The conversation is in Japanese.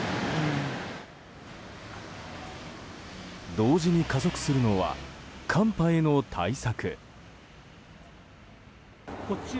同時に加速するのは寒波への対策。